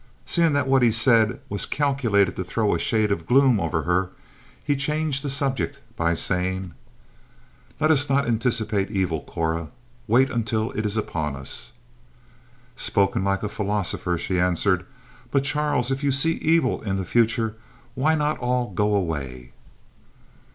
Seeing that what he said was calculated to throw a shade of gloom over her, he changed the subject by saying: "Let us not anticipate evil, Cora. Wait until it is upon us." "Spoken like a philosopher," she answered; "but, Charles, if you see evil in the future, why not all go away?"